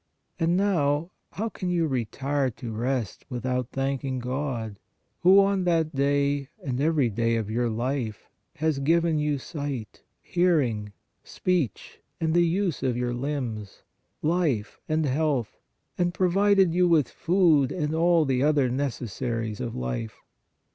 And now how can you retire to rest without thanking God, who on that day and every day of your life has given you sight, hearing, speech and the use of your limbs, life and health, and provided you with food and all the other neces saries of life?